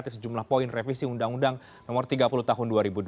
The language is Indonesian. sejumlah poin revisi undang undang nomor tiga puluh tahun dua ribu dua belas